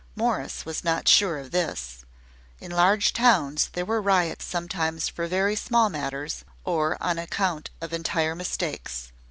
Morris was not sure of this. In large towns there were riots sometimes for very small matters, or on account of entire mistakes.